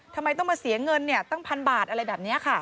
ทำไมต้องมาเสียเงินตั้งพันบาทอะไรแบบนี้ค่ะ